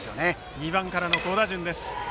２番からの好打順です。